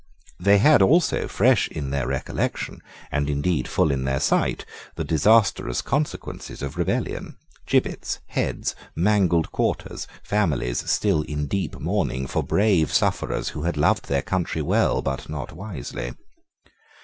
They had also fresh in their recollection, and indeed full in their sight, the disastrous consequences of rebellion, gibbets, heads, mangled quarters, families still in deep mourning for brave sufferers who had loved their country well but not wisely.